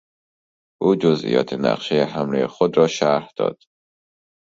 او جزئیات نقشهی حملهی خود را شرح داد.